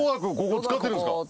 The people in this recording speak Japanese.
ここ使ってるんですか？